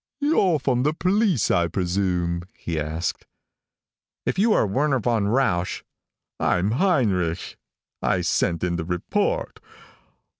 "You're from the police, I presume?" he asked. "If you are Werner von Rausch " "I'm Heinrich. I sent in the report.